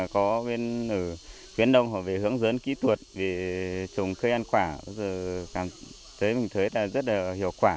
có bên ở khuyến đông họ về hướng dẫn kỹ thuật về trồng cây ăn quả bây giờ cảm thấy mình thấy là rất là hiệu quả